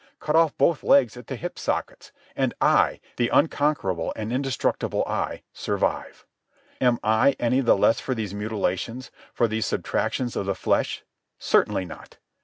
Cut off both legs at the hip sockets. And I, the unconquerable and indestructible I, survive. Am I any the less for these mutilations, for these subtractions of the flesh? Certainly not.